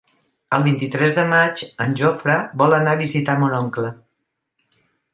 El vint-i-tres de maig en Jofre vol anar a visitar mon oncle.